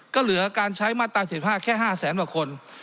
ก็เหลือการใช้มาตรตามเศรษฐภาพแค่๕๐๐๐๐๐บาทคน